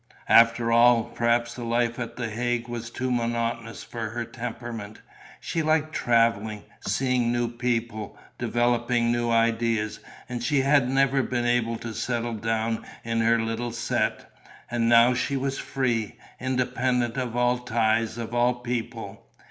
After all, perhaps the life at the Hague was too monotonous for her temperament. She liked travelling, seeing new people, developing new ideas; and she had never been able to settle down in her little set. And now she was free, independent of all ties, of all people.